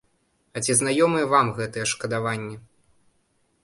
А ці знаёмыя вам гэтыя шкадаванні?